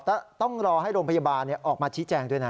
แต่ต้องรอให้โรงพยาบาลออกมาชี้แจงด้วยนะ